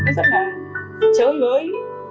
nó rất là chơi với